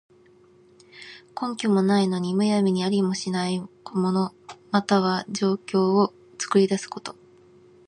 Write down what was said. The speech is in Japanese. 根拠もないのに、むやみにありもしない物、または情況を作り出すこと。